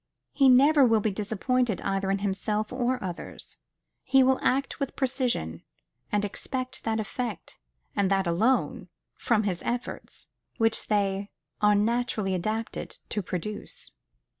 He never will be disappointed either in himself or others. He will act with precision; and expect that effect and that alone, from his efforts, which they are naturally adapted to produce.